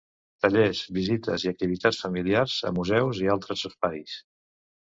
Tallers, visites i activitats familiars a museus i altres espais.